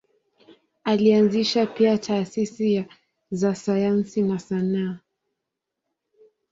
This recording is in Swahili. Alianzisha pia taasisi za sayansi na sanaa.